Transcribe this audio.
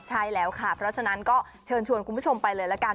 ใช่แล้วค่ะเพราะฉะนั้นก็เชิญชวนคุณผู้ชมไปเลยละกัน